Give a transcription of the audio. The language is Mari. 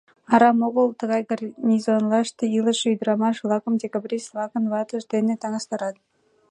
Арам огыл тыгай гарнизонлаште илыше ӱдырамаш-влакым декабрист-влакын ватышт дене таҥастарат.